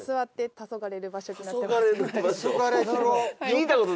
たそがれ。